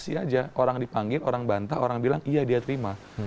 ini sudah dipanggil orang dipanggil orang bantah orang bilang iya dia terima